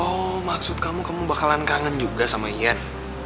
oh maksud kamu kamu bakalan kangen juga sama yen